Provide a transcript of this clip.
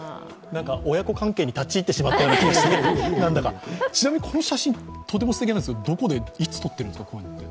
親子関係に立ち入ってしまったような気がして、何だかちなみに、この写真、とてもすてきなんですが、どこでいつ撮ったんですか？